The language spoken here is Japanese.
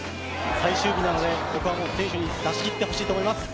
最終日なのでここは選手に出し切ってもらいたいと思います。